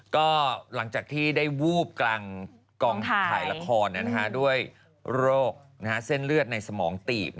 ก็หลังจากที่ได้วูบกลางกองถ่ายละครด้วยโรคเส้นเลือดในสมองตีบ